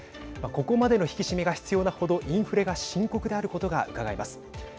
ここまでの引き締めが必要なほどインフレが深刻であることがうかがえます。